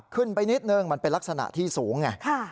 ขึ้นไปนิดนึงมันเป็นลักษณะที่สูงไง